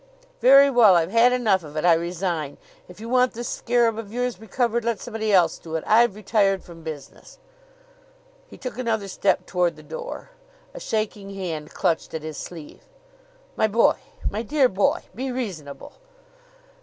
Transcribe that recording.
"Very well! I've had enough of it. I resign! If you want this scarab of yours recovered let somebody else do it. I've retired from business." He took another step toward the door. A shaking hand clutched at his sleeve. "My boy my dear boy be reasonable!"